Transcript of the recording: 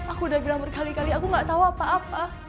aku udah bilang berkali kali aku nggak tahu apa apa